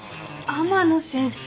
天野先生